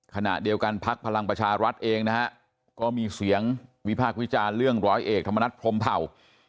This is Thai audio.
ขณะเดียวกันพักพลังประชารัฐเองนะฮะก็มีเสียงวิพากษ์วิจารณ์เรื่องร้อยเอกธรรมนัฐพรมเผ่า